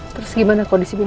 terus gimana kondisi bu